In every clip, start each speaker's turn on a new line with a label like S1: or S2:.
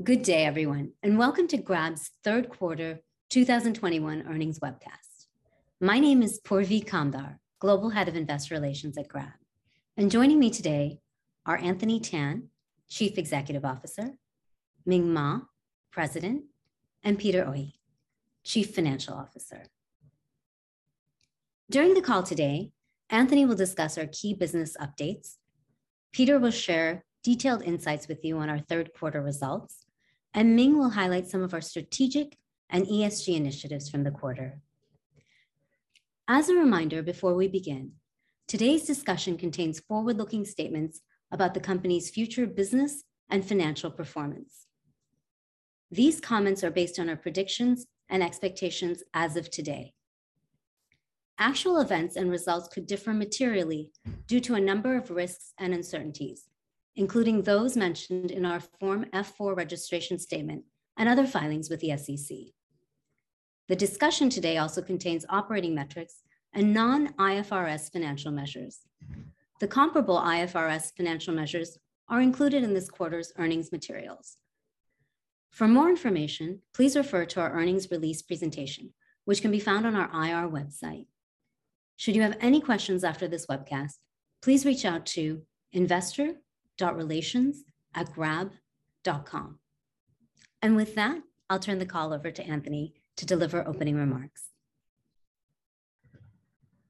S1: Good day, everyone, and welcome to Grab's third quarter 2021 earnings webcast. My name is Purvi Kamdar, Global Head of Investor Relations at Grab. Joining me today are Anthony Tan, Chief Executive Officer, Ming Maa, President, and Peter Oey, Chief Financial Officer. During the call today, Anthony will discuss our key business updates, Peter will share detailed insights with you on our third quarter results, and Ming will highlight some of our strategic and ESG initiatives from the quarter. As a reminder before we begin, today's discussion contains forward-looking statements about the company's future business and financial performance. These comments are based on our predictions and expectations as of today. Actual events and results could differ materially due to a number of risks and uncertainties, including those mentioned in our Form F-4 registration statement and other filings with the SEC. The discussion today also contains operating metrics and non-IFRS financial measures. The comparable IFRS financial measures are included in this quarter's earnings materials. For more information, please refer to our earnings release presentation, which can be found on our IR website. Should you have any questions after this webcast, please reach out to investor.relations@grab.com. With that, I'll turn the call over to Anthony to deliver opening remarks.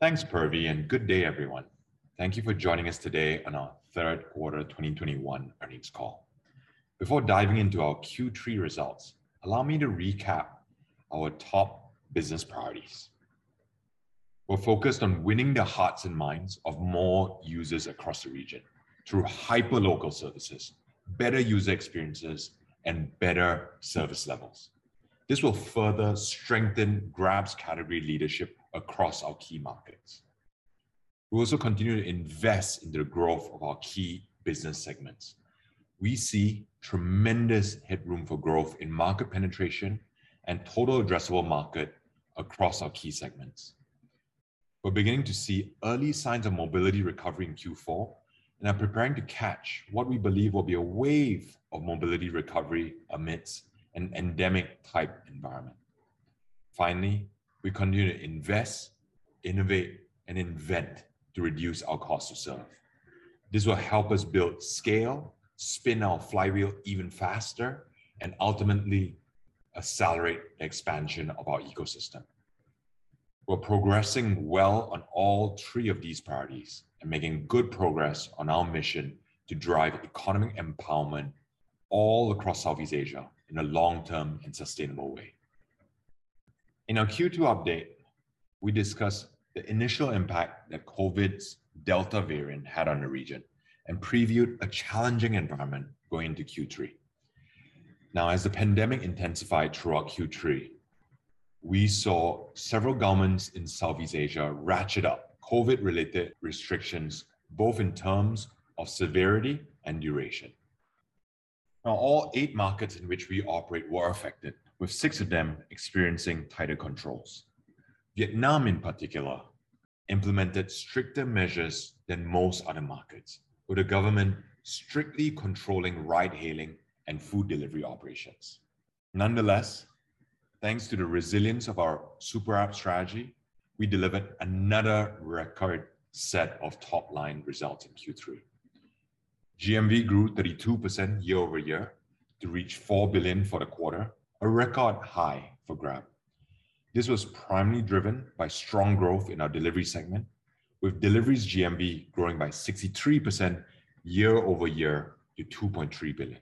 S2: Thanks, Purvi, and good day, everyone. Thank you for joining us today on our Q3 2021 earnings call. Before diving into our Q3 results, allow me to recap our top business priorities. We're focused on winning the hearts and minds of more users across the region through hyperlocal services, better user experiences, and better service levels. This will further strengthen Grab's category leadership across our key markets. We'll also continue to invest in the growth of our key business segments. We see tremendous headroom for growth in market penetration and total addressable market across our key segments. We're beginning to see early signs of mobility recovery in Q4 and are preparing to catch what we believe will be a wave of mobility recovery amidst an endemic-type environment. Finally, we continue to invest, innovate, and invent to reduce our cost to serve. This will help us build scale, spin our flywheel even faster, and ultimately accelerate the expansion of our ecosystem. We're progressing well on all three of these priorities and making good progress on our mission to drive economic empowerment all across Southeast Asia in a long-term and sustainable way. In our Q2 update, we discussed the initial impact that COVID's Delta variant had on the region and previewed a challenging environment going into Q3. Now, as the pandemic intensified throughout Q3, we saw several governments in Southeast Asia ratchet up COVID-related restrictions, both in terms of severity and duration. Now, all eight markets in which we operate were affected, with six of them experiencing tighter controls. Vietnam in particular implemented stricter measures than most other markets, with the government strictly controlling ride hailing and food delivery operations. Nonetheless, thanks to the resilience of our super app strategy, we delivered another record set of top-line results in Q3. GMV grew 32% year-over-year to reach $4 billion for the quarter, a record high for Grab. This was primarily driven by strong growth in our delivery segment, with deliveries GMV growing by 63% year-over-year to $2.3 billion.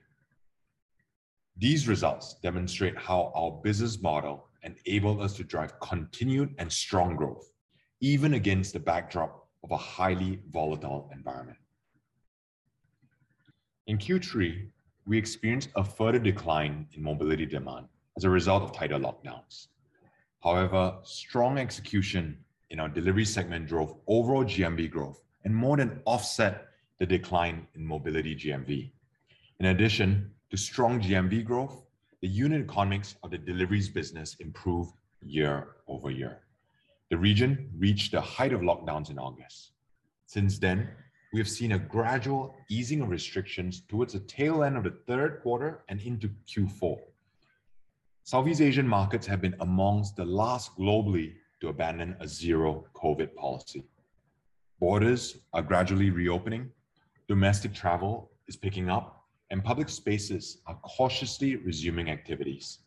S2: These results demonstrate how our business model enabled us to drive continued and strong growth, even against the backdrop of a highly volatile environment. In Q3, we experienced a further decline in mobility demand as a result of tighter lockdowns. However, strong execution in our delivery segment drove overall GMV growth and more than offset the decline in mobility GMV. In addition to strong GMV growth, the unit economics of the deliveries business improved year-over-year. The region reached the height of lockdowns in August. Since then, we have seen a gradual easing of restrictions towards the tail end of the third quarter and into Q4. Southeast Asian markets have been amongst the last globally to abandon a zero-COVID policy. Borders are gradually reopening, domestic travel is picking up, and public spaces are cautiously resuming activities.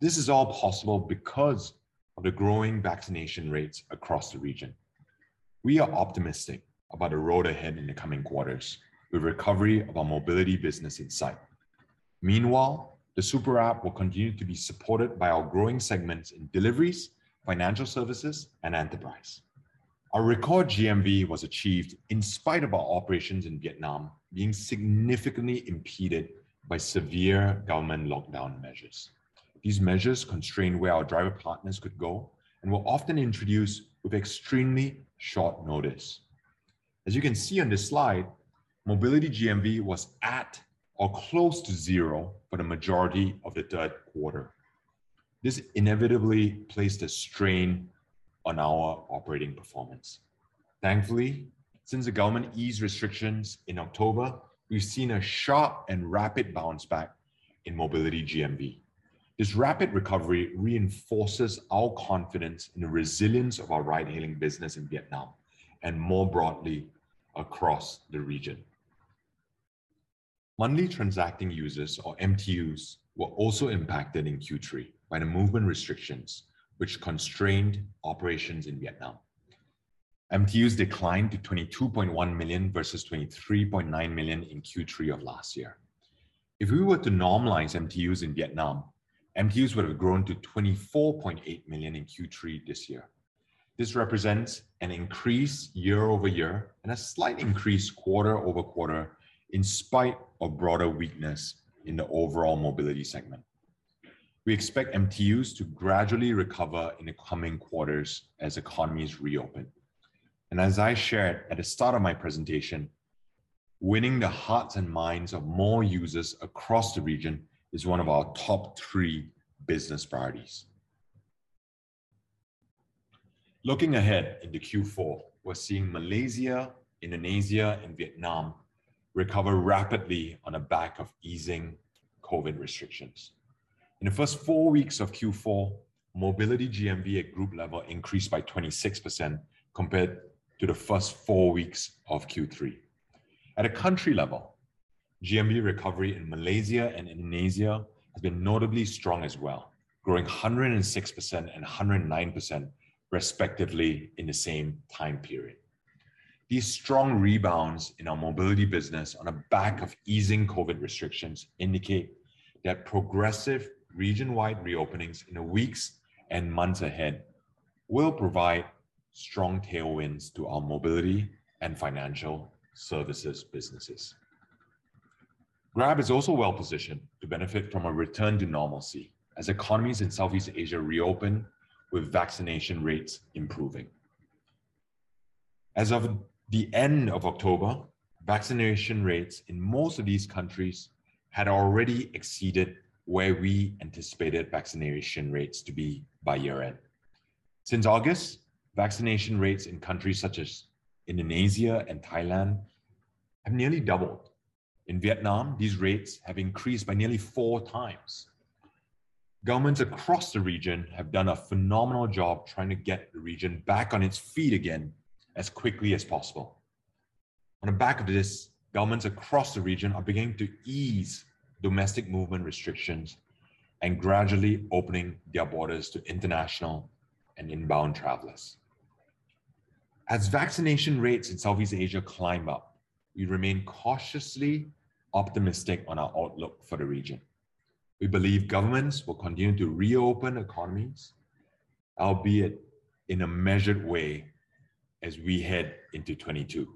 S2: This is all possible because of the growing vaccination rates across the region. We are optimistic about the road ahead in the coming quarters, with recovery of our mobility business in sight. Meanwhile, the super app will continue to be supported by our growing segments in deliveries, financial services, and enterprise. Our record GMV was achieved in spite of our operations in Vietnam being significantly impeded by severe government lockdown measures. These measures constrained where our driver partners could go and were often introduced with extremely short notice. As you can see on this slide, mobility GMV was at or close to zero for the majority of the third quarter. This inevitably placed a strain on our operating performance. Thankfully, since the government eased restrictions in October, we've seen a sharp and rapid bounce back in mobility GMV. This rapid recovery reinforces our confidence in the resilience of our ride-hailing business in Vietnam and more broadly across the region. Monthly transacting users or MTUs were also impacted in Q3 by the movement restrictions which constrained operations in Vietnam. MTUs declined to 22.1 million versus 23.9 million in Q3 of last year. If we were to normalize MTUs in Vietnam, MTUs would have grown to 24.8 million in Q3 this year. This represents an increase year-over-year and a slight increase quarter-over-quarter in spite of broader weakness in the overall mobility segment. We expect MTUs to gradually recover in the coming quarters as economies reopen. As I shared at the start of my presentation, winning the hearts and minds of more users across the region is one of our top three business priorities. Looking ahead into Q4, we're seeing Malaysia, Indonesia, and Vietnam recover rapidly on the back of easing COVID restrictions. In the first 4 weeks of Q4, mobility GMV at group level increased by 26% compared to the first 4 weeks of Q3. At a country level, GMV recovery in Malaysia and Indonesia has been notably strong as well, growing 106% and 109% respectively in the same time period. These strong rebounds in our mobility business on the back of easing COVID restrictions indicate that progressive region-wide reopenings in the weeks and months ahead will provide strong tailwinds to our mobility and financial services businesses. Grab is also well-positioned to benefit from a return to normalcy as economies in Southeast Asia reopen with vaccination rates improving. As of the end of October, vaccination rates in most of these countries had already exceeded where we anticipated vaccination rates to be by year-end. Since August, vaccination rates in countries such as Indonesia and Thailand have nearly doubled. In Vietnam, these rates have increased by nearly four times. Governments across the region have done a phenomenal job trying to get the region back on its feet again as quickly as possible. On the back of this, governments across the region are beginning to ease domestic movement restrictions and gradually opening their borders to international and inbound travelers. As vaccination rates in Southeast Asia climb up, we remain cautiously optimistic on our outlook for the region. We believe governments will continue to reopen economies, albeit in a measured way as we head into 2022.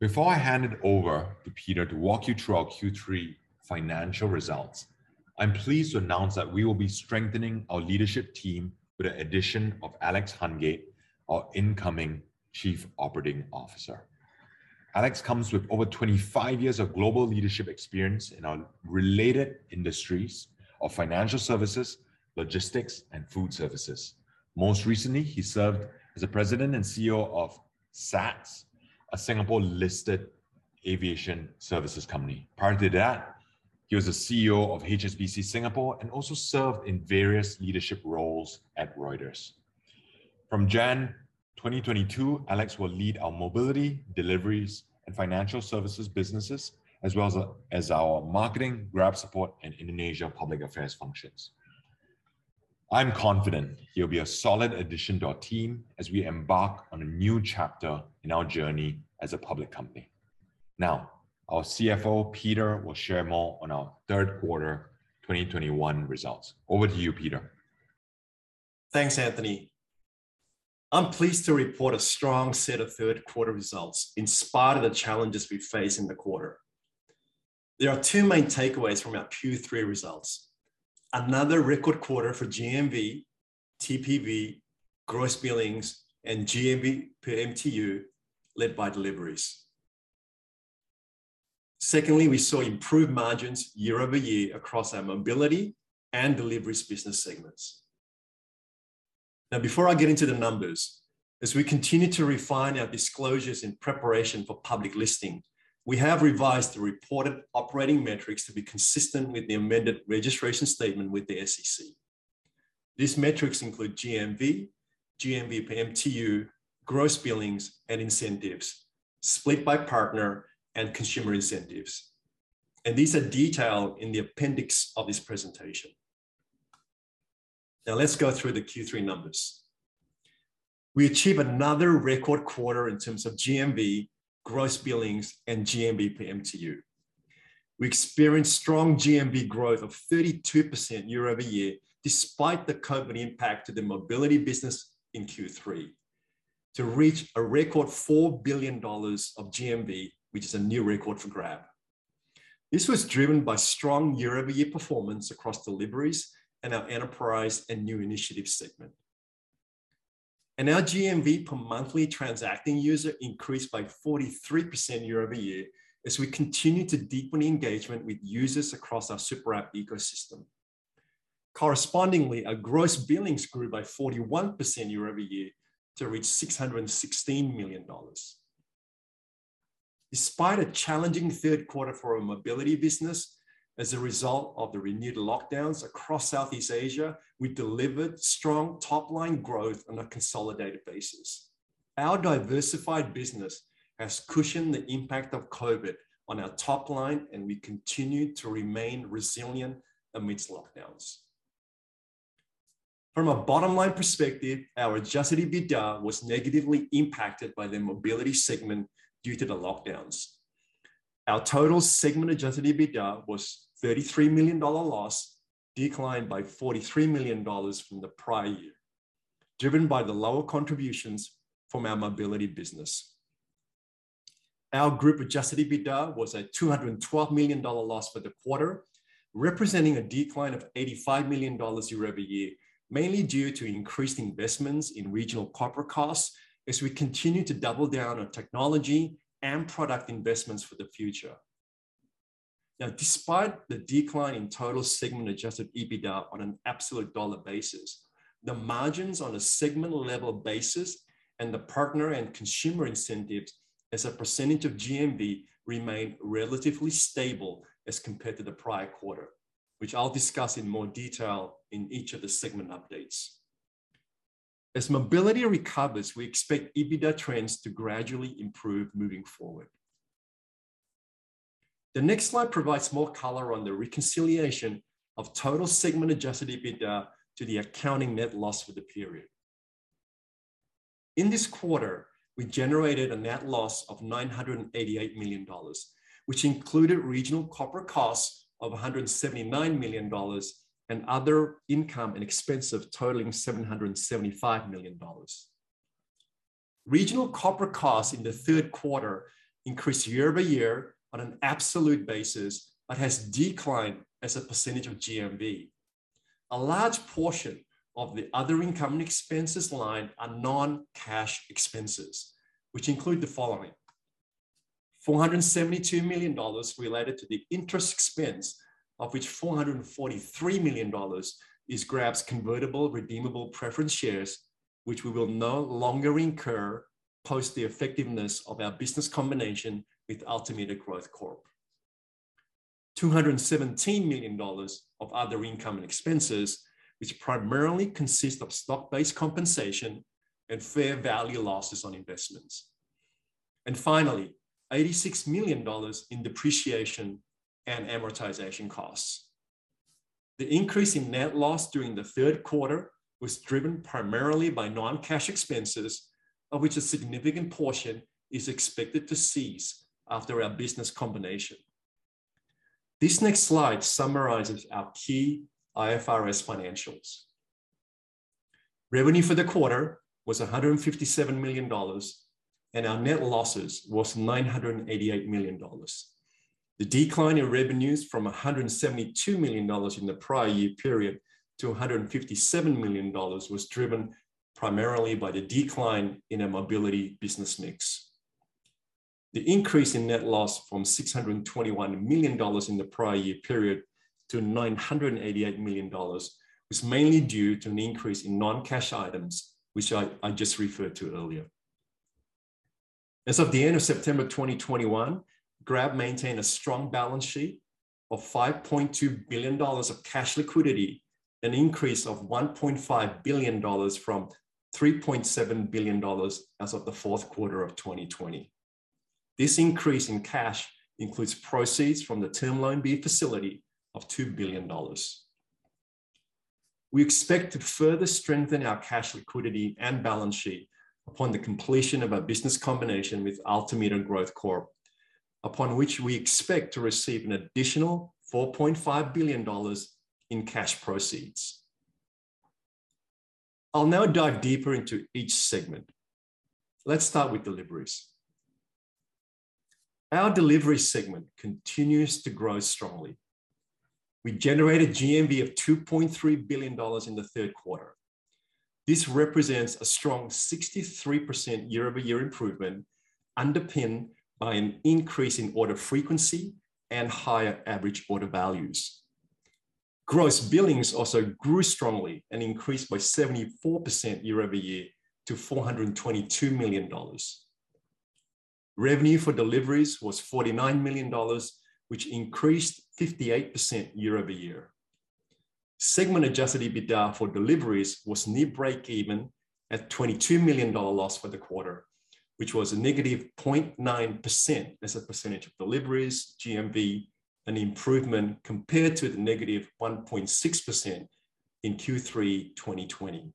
S2: Before I hand it over to Peter to walk you through our Q3 financial results, I'm pleased to announce that we will be strengthening our leadership team with the addition of Alex Hungate, our incoming Chief Operating Officer. Alex comes with over 25 years of global leadership experience in our related industries of financial services, logistics, and food services. Most recently, he served as the president and CEO of SATS, a Singapore-listed aviation services company. Prior to that, he was the CEO of HSBC Singapore and also served in various leadership roles at Reuters. From January 2022, Alex will lead our mobility, deliveries, and financial services businesses, as well as our marketing, Grab support, and Indonesia Public Affairs functions. I'm confident he'll be a solid addition to our team as we embark on a new chapter in our journey as a public company. Now, our CFO, Peter, will share more on our third quarter 2021 results. Over to you, Peter.
S3: Thanks, Anthony. I'm pleased to report a strong set of third quarter results in spite of the challenges we faced in the quarter. There are two main takeaways from our Q3 results. Another record quarter for GMV, TPV, gross billings, and GMV per MTU, led by deliveries. Secondly, we saw improved margins year-over-year across our mobility and deliveries business segments. Now, before I get into the numbers, as we continue to refine our disclosures in preparation for public listing, we have revised the reported operating metrics to be consistent with the amended registration statement with the SEC. These metrics include GMV per MTU, gross billings, and incentives, split by partner and consumer incentives. These are detailed in the appendix of this presentation. Now, let's go through the Q3 numbers. We achieved another record quarter in terms of GMV, gross billings, and GMV per MTU. We experienced strong GMV growth of 32% year-over-year, despite the COVID impact to the mobility business in Q3, to reach a record $4 billion of GMV, which is a new record for Grab. This was driven by strong year-over-year performance across deliveries and our enterprise and new initiatives segment. Our GMV per monthly transacting user increased by 43% year-over-year as we continue to deepen engagement with users across our super app ecosystem. Correspondingly, our gross billings grew by 41% year-over-year to reach $616 million. Despite a challenging third quarter for our mobility business as a result of the renewed lockdowns across Southeast Asia, we delivered strong top line growth on a consolidated basis. Our diversified business has cushioned the impact of COVID on our top line, and we continued to remain resilient amidst lockdowns. From a bottom line perspective, our adjusted EBITDA was negatively impacted by the mobility segment due to the lockdowns. Our total segment adjusted EBITDA was $33 million loss, declined by $43 million from the prior year, driven by the lower contributions from our mobility business. Our group adjusted EBITDA was a $212 million loss for the quarter, representing a decline of $85 million year-over-year, mainly due to increased investments in regional corporate costs as we continue to double down on technology and product investments for the future. Now despite the decline in total segment adjusted EBITDA on an absolute dollar basis, the margins on a segment level basis and the partner and consumer incentives as a percentage of GMV remain relatively stable as compared to the prior quarter, which I'll discuss in more detail in each of the segment updates. As mobility recovers, we expect EBITDA trends to gradually improve moving forward. The next slide provides more color on the reconciliation of total segment adjusted EBITDA to the accounting net loss for the period. In this quarter, we generated a net loss of $988 million, which included regional corporate costs of $179 million and other income and expense of totaling $775 million. Regional corporate costs in the third quarter increased year-over-year on an absolute basis, but has declined as a percentage of GMV. A large portion of the other income and expenses line are non-cash expenses, which include the following, $472 million related to the interest expense, of which $443 million is Grab's convertible redeemable preference shares, which we will no longer incur post the effectiveness of our business combination with Altimeter Growth Corp. $217 million of other income and expenses, which primarily consist of stock-based compensation and fair value losses on investments. Finally, $86 million in depreciation and amortization costs. The increase in net loss during the third quarter was driven primarily by non-cash expenses, of which a significant portion is expected to cease after our business combination. This next slide summarizes our key IFRS financials. Revenue for the quarter was $157 million, and our net losses was $988 million. The decline in revenues from $172 million in the prior year period to $157 million was driven primarily by the decline in our mobility business mix. The increase in net loss from $621 million in the prior year period to $988 million was mainly due to an increase in non-cash items, which I just referred to earlier. As of the end of September 2021, Grab maintained a strong balance sheet of $5.2 billion of cash liquidity, an increase of $1.5 billion from $3.7 billion as of the fourth quarter of 2020. This increase in cash includes proceeds from the Term Loan B facility of $2 billion. We expect to further strengthen our cash liquidity and balance sheet upon the completion of our business combination with Altimeter Growth Corp, upon which we expect to receive an additional $4.5 billion in cash proceeds. I'll now dive deeper into each segment. Let's start with deliveries. Our delivery segment continues to grow strongly. We generated GMV of $2.3 billion in the third quarter. This represents a strong 63% year-over-year improvement, underpinned by an increase in order frequency and higher average order values. Gross billings also grew strongly and increased by 74% year-over-year to $422 million. Revenue for deliveries was $49 million, which increased 58% year-over-year. Segment adjusted EBITDA for deliveries was near breakeven at $22 million loss for the quarter, which was a negative 0.9% as a percentage of deliveries GMV, an improvement compared to the negative 1.6% in Q3 2020.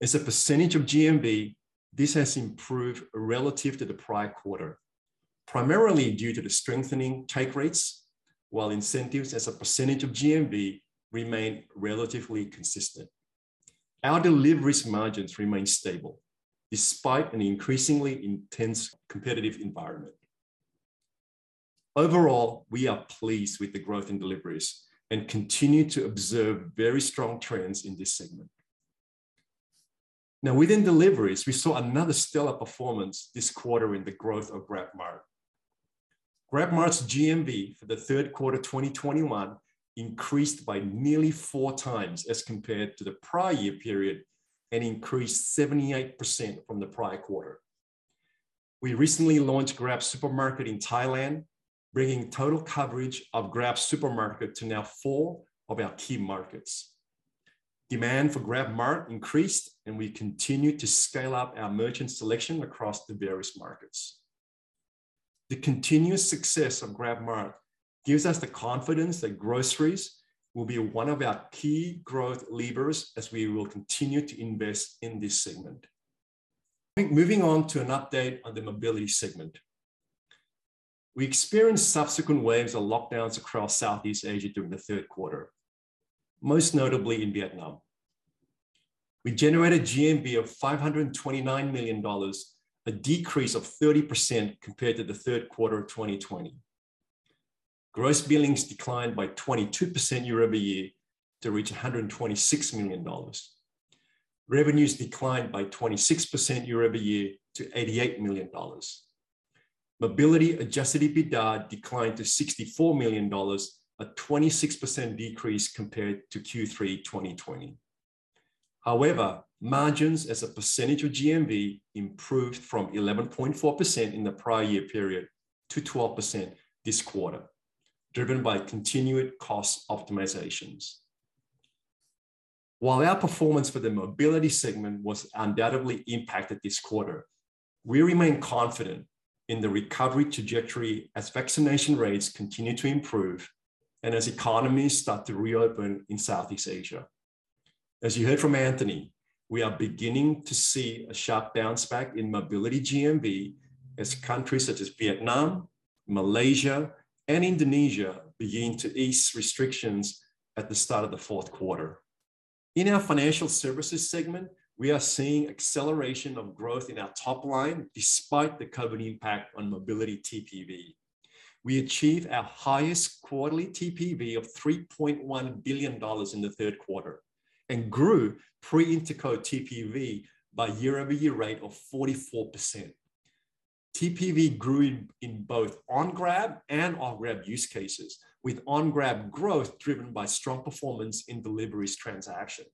S3: As a percentage of GMV, this has improved relative to the prior quarter, primarily due to the strengthening take rates, while incentives as a percentage of GMV remain relatively consistent. Our deliveries margins remain stable despite an increasingly intense competitive environment. Overall, we are pleased with the growth in deliveries and continue to observe very strong trends in this segment. Now, within deliveries, we saw another stellar performance this quarter in the growth of GrabMart. GrabMart's GMV for the third quarter 2021 increased by nearly four times as compared to the prior year period and increased 78% from the prior quarter. We recently launched GrabSupermarket in Thailand, bringing total coverage of GrabSupermarket to now four of our key markets. Demand for GrabMart increased, and we continue to scale up our merchant selection across the various markets. The continuous success of GrabMart gives us the confidence that groceries will be one of our key growth levers as we will continue to invest in this segment. I think moving on to an update on the mobility segment. We experienced subsequent waves of lockdowns across Southeast Asia during the third quarter, most notably in Vietnam. We generated GMV of $529 million, a decrease of 30% compared to Q3 2020. Gross billings declined by 22% year-over-year to reach $126 million. Revenues declined by 26% year-over-year to $88 million. Mobility adjusted EBITDA declined to $64 million, a 26% decrease compared to Q3 2020. However, margins as a percentage of GMV improved from 11.4% in the prior year period to 12% this quarter, driven by continued cost optimizations. While our performance for the mobility segment was undoubtedly impacted this quarter, we remain confident in the recovery trajectory as vaccination rates continue to improve and as economies start to reopen in Southeast Asia. As you heard from Anthony, we are beginning to see a sharp bounce back in mobility GMV as countries such as Vietnam, Malaysia, and Indonesia begin to ease restrictions at the start of the fourth quarter. In our financial services segment, we are seeing acceleration of growth in our top line despite the COVID impact on mobility TPV. We achieved our highest quarterly TPV of $3.1 billion in the third quarter and grew pre-Interco TPV by year-over-year rate of 44%. TPV grew in both on-Grab and off-Grab use cases, with on-Grab growth driven by strong performance in deliveries transaction.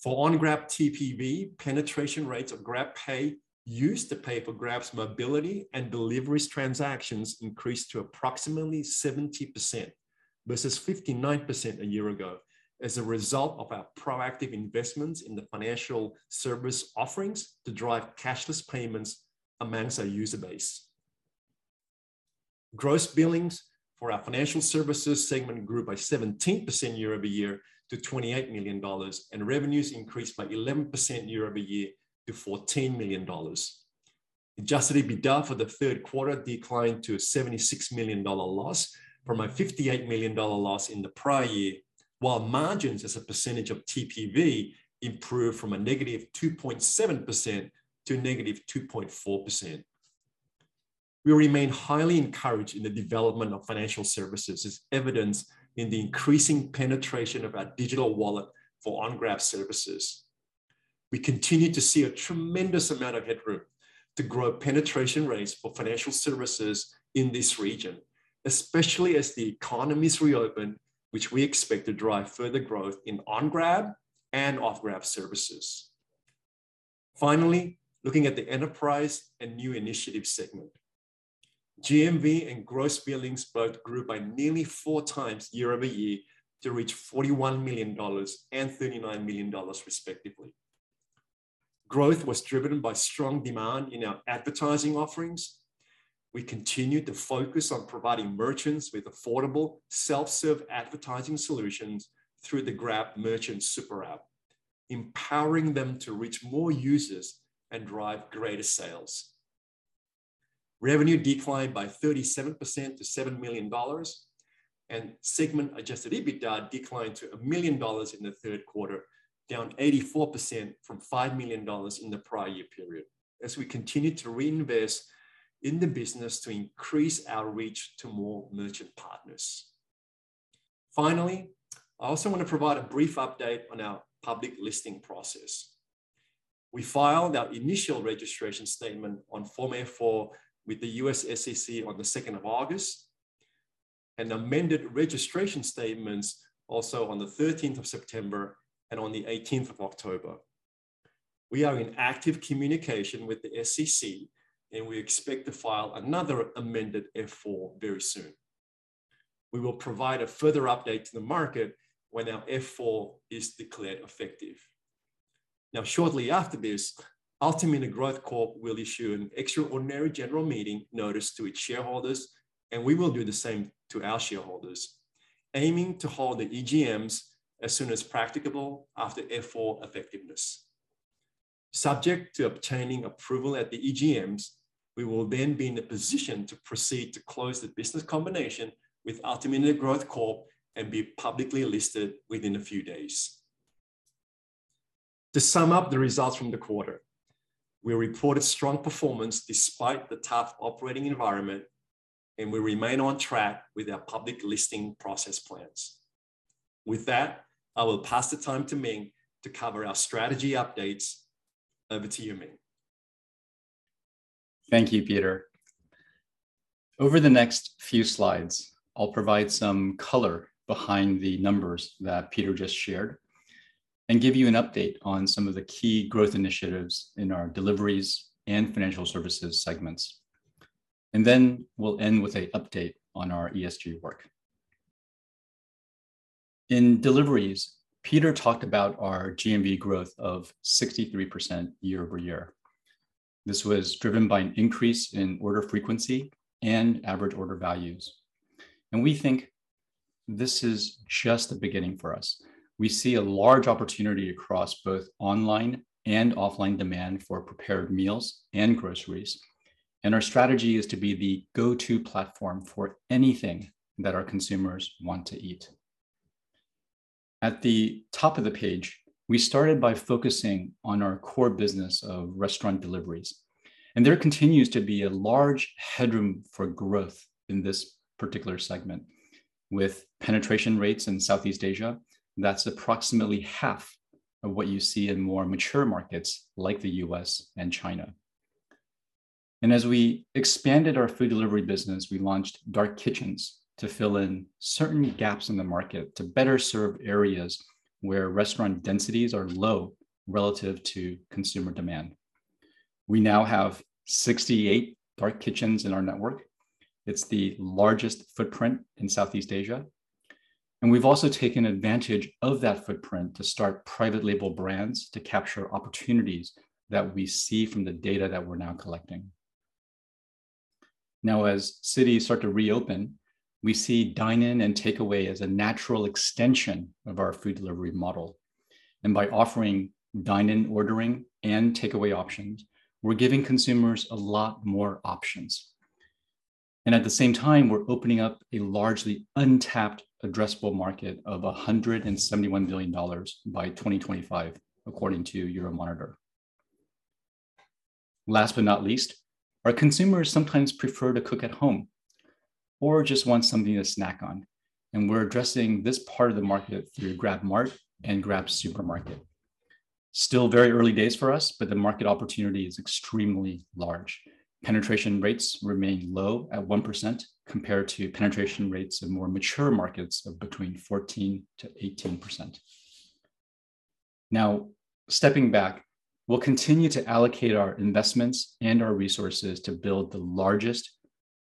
S3: For on-Grab TPV, penetration rates of GrabPay used to pay for Grab's mobility and deliveries transactions increased to approximately 70% versus 59% a year ago as a result of our proactive investments in the financial service offerings to drive cashless payments amongst our user base. Gross billings for our financial services segment grew by 17% year-over-year to $28 million, and revenues increased by 11% year-over-year to $14 million. Adjusted EBITDA for the third quarter declined to a $76 million loss from a $58 million loss in the prior year, while margins as a percentage of TPV improved from a negative 2.7% to negative 2.4%. We remain highly encouraged in the development of financial services as evidenced in the increasing penetration of our digital wallet for on-Grab services. We continue to see a tremendous amount of headroom to grow penetration rates for financial services in this region, especially as the economies reopen, which we expect to drive further growth in on-Grab and off-Grab services. Finally, looking at the enterprise and new initiatives segment, GMV and gross billings both grew by nearly 4 times year-over-year to reach $41 million and $39 million respectively. Growth was driven by strong demand in our advertising offerings. We continued to focus on providing merchants with affordable self-serve advertising solutions through the GrabMerchant superapp, empowering them to reach more users and drive greater sales. Revenue declined by 37% to $7 million, and segment adjusted EBITDA declined to $1 million in the third quarter, down 84% from $5 million in the prior year period, as we continue to reinvest in the business to increase our reach to more merchant partners. Finally, I also want to provide a brief update on our public listing process. We filed our initial registration statement on Form F-4 with the U.S. SEC on the second of August, and amended registration statements also on the thirteenth of September and on the eighteenth of October. We are in active communication with the SEC, and we expect to file another amended F-4 very soon. We will provide a further update to the market when our F-4 is declared effective. Now, shortly after this, Altimeter Growth Corp will issue an extraordinary general meeting notice to its shareholders, and we will do the same to our shareholders, aiming to hold the EGMs as soon as practicable after Form F-4 effectiveness. Subject to obtaining approval at the EGMs, we will then be in the position to proceed to close the business combination with Altimeter Growth Corp and be publicly listed within a few days. To sum up the results from the quarter, we reported strong performance despite the tough operating environment, and we remain on track with our public listing process plans. With that, I will pass the time to Ming to cover our strategy updates. Over to you, Ming.
S4: Thank you, Peter. Over the next few slides, I'll provide some color behind the numbers that Peter just shared, and give you an update on some of the key growth initiatives in our deliveries and financial services segments. We'll end with an update on our ESG work. In deliveries, Peter talked about our GMV growth of 63% year-over-year. This was driven by an increase in order frequency and average order values. We think this is just the beginning for us. We see a large opportunity across both online and offline demand for prepared meals and groceries, and our strategy is to be the go-to platform for anything that our consumers want to eat. At the top of the page, we started by focusing on our core business of restaurant deliveries, and there continues to be a large headroom for growth in this particular segment. With penetration rates in Southeast Asia, that's approximately half of what you see in more mature markets like the U.S. and China. As we expanded our food delivery business, we launched dark kitchens to fill in certain gaps in the market to better serve areas where restaurant densities are low relative to consumer demand. We now have 68 dark kitchens in our network. It's the largest footprint in Southeast Asia, and we've also taken advantage of that footprint to start private label brands to capture opportunities that we see from the data that we're now collecting. Now, as cities start to reopen, we see dine-in and takeaway as a natural extension of our food delivery model. By offering dine-in ordering and takeaway options, we're giving consumers a lot more options. At the same time, we're opening up a largely untapped addressable market of $171 billion by 2025 according to Euromonitor. Last but not least, our consumers sometimes prefer to cook at home or just want something to snack on, and we're addressing this part of the market through GrabMart and GrabSupermarket. Still very early days for us, but the market opportunity is extremely large. Penetration rates remain low at 1% compared to penetration rates in more mature markets of between 14%-18%. Now, stepping back, we'll continue to allocate our investments and our resources to build the largest,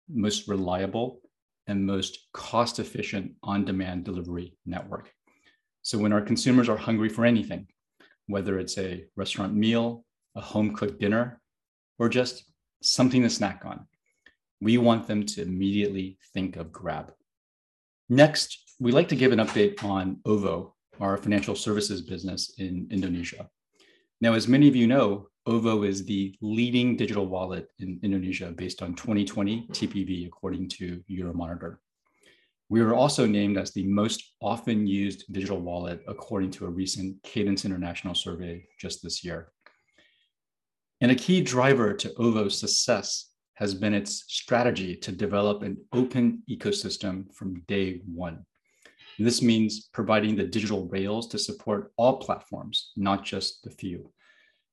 S4: most reliable, and most cost-efficient on-demand delivery network, so when our consumers are hungry for anything, whether it's a restaurant meal, a home-cooked dinner, or just something to snack on, we want them to immediately think of Grab. Next, we'd like to give an update on OVO, our financial services business in Indonesia. Now, as many of you know, OVO is the leading digital wallet in Indonesia based on 2020 TPV according to Euromonitor. We were also named as the most often used digital wallet according to a recent Kadence International survey just this year. A key driver to OVO's success has been its strategy to develop an open ecosystem from day one. This means providing the digital rails to support all platforms, not just the few,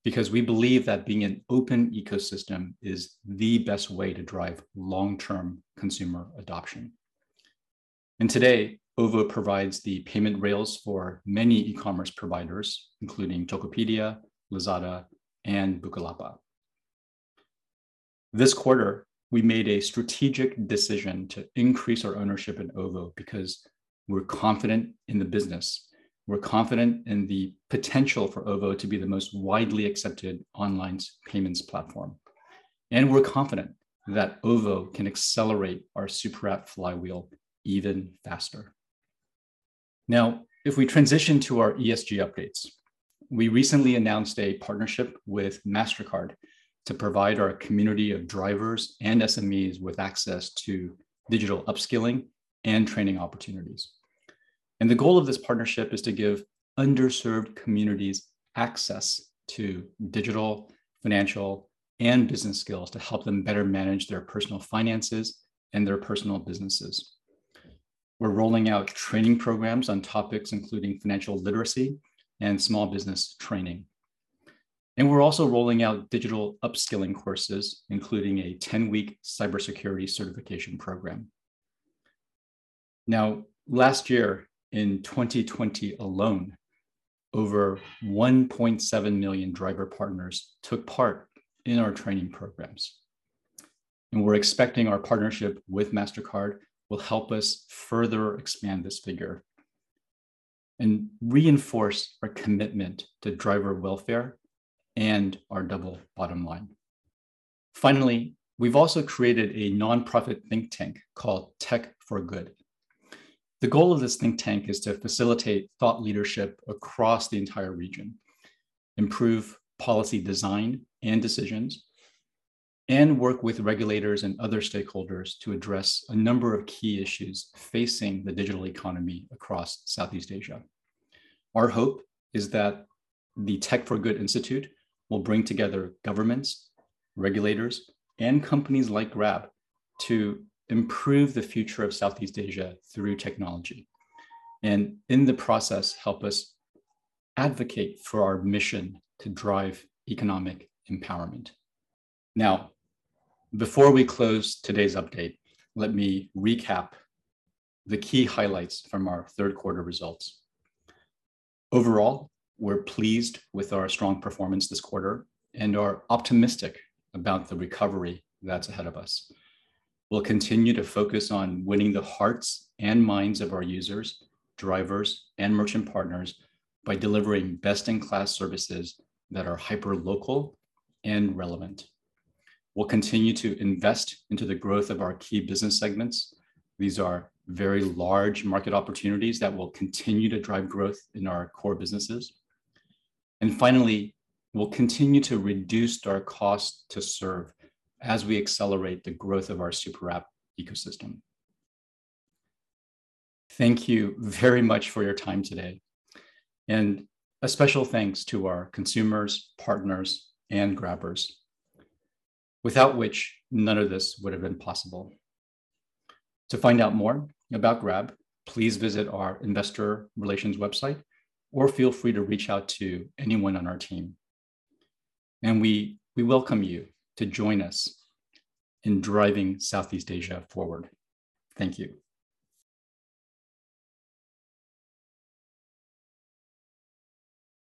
S4: because we believe that being an open ecosystem is the best way to drive long-term consumer adoption. Today, OVO provides the payment rails for many e-commerce providers, including Tokopedia, Lazada, and Bukalapak. This quarter, we made a strategic decision to increase our ownership in OVO because we're confident in the business. We're confident in the potential for OVO to be the most widely accepted online payments platform, and we're confident that OVO can accelerate our super app flywheel even faster. Now, if we transition to our ESG updates, we recently announced a partnership with Mastercard to provide our community of drivers and SMEs with access to digital upskilling and training opportunities. The goal of this partnership is to give underserved communities access to digital, financial, and business skills to help them better manage their personal finances and their personal businesses. We're rolling out training programs on topics including financial literacy and small business training. We're also rolling out digital upskilling courses, including a 10-week cybersecurity certification program. Now, last year, in 2020 alone, over 1.7 million driver partners took part in our training programs, and we're expecting our partnership with Mastercard will help us further expand this figure and reinforce our commitment to driver welfare and our double bottom line. Finally, we've also created a nonprofit think tank called Tech for Good Institute. The goal of this think tank is to facilitate thought leadership across the entire region, improve policy design and decisions, and work with regulators and other stakeholders to address a number of key issues facing the digital economy across Southeast Asia. Our hope is that the Tech for Good Institute will bring together governments, regulators, and companies like Grab to improve the future of Southeast Asia through technology and, in the process, help us advocate for our mission to drive economic empowerment. Now, before we close today's update, let me recap the key highlights from our third quarter results. Overall, we're pleased with our strong performance this quarter and are optimistic about the recovery that's ahead of us. We'll continue to focus on winning the hearts and minds of our users, drivers, and merchant partners by delivering best-in-class services that are hyperlocal and relevant. We'll continue to invest into the growth of our key business segments. These are very large market opportunities that will continue to drive growth in our core businesses. Finally, we'll continue to reduce our cost to serve as we accelerate the growth of our super app ecosystem. Thank you very much for your time today. A special thanks to our consumers, partners, and Grabbers, without which none of this would have been possible. To find out more about Grab, please visit our investor relations website or feel free to reach out to anyone on our team. We welcome you to join us in driving Southeast Asia forward. Thank you.